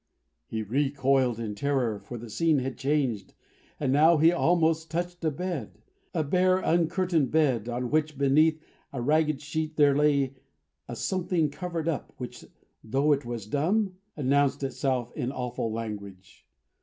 He recoiled in terror, for the scene had changed, and now he almost touched a bed: a bare, uncurtained bed: on which, beneath a ragged sheet, there lay a something covered up which, though it was dumb, announced itself in awful language.